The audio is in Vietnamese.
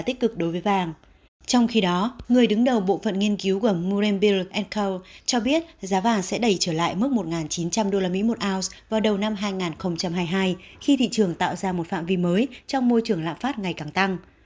trong khi đó người đứng đầu bộ phận nghiên cứu của morrem biar an colud cho biết giá vàng sẽ đẩy trở lại mức một chín trăm linh usd một ounce vào đầu năm hai nghìn hai mươi hai khi thị trường tạo ra một phạm vi mới trong môi trường lạm phát ngày càng tăng